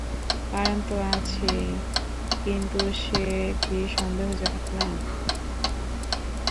কারণ তো আছেই, কিন্তু সে কি সন্দেহজনক না?